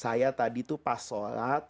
saya tadi itu pas solat